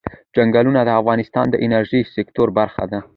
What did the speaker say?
چنګلونه د افغانستان د انرژۍ سکتور برخه ده.